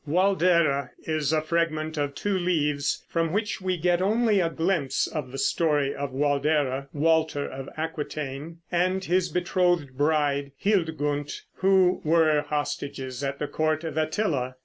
"Waldere" is a fragment of two leaves, from which we get only a glimpse of the story of Waldere (Walter of Aquitaine) and his betrothed bride Hildgund, who were hostages at the court of Attila.